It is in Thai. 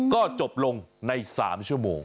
ก็จบลงใน๓ชั่วโมง